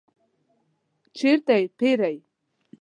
چیرته یی پیرئ؟